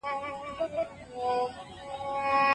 شکر د سختو ورځو لپاره تر ټولو ښه مرهم دی.